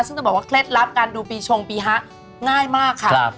ซึ่งต้องบอกว่าเคล็ดลับการดูปีชงปีฮะง่ายมากค่ะ